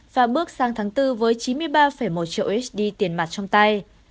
và bước sang tháng bốn với chín mươi ba một triệu usd tiền mặt trong tay